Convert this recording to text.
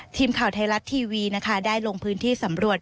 ทีมข่าวไทยรัฐทีวีนะคะได้ลงพื้นที่สำรวจ